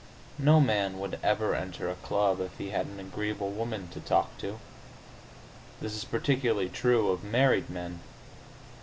No man would ever enter a club if he had an agreeable woman to talk to. This is particularly true of married men.